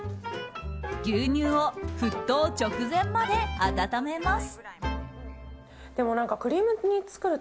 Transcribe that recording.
牛乳を沸騰直前まで温めます。